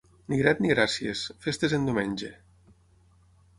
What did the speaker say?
Ni grat ni gràcies, festes en diumenge.